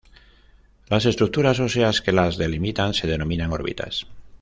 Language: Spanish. Las estructuras óseas que las delimitan se denominan órbitas.